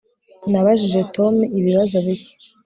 Nabajije Tom ibibazo bike